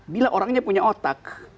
bila orangnya punya otak